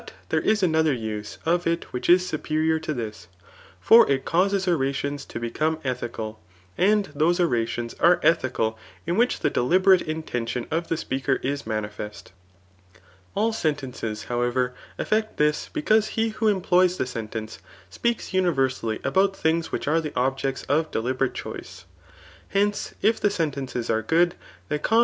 tbere is another use of it which is superior to this; ibr it causes orations, to become etUcaL And those oratioiis are ethical in which the dek'berate inMition of the speaker is manifest* . All sentences^ however, ^hct this, becamse he who employs the sentence, speaks umversaUy about things which are the objects of ddtiberate choice* Hence, if the sentences are good, they cause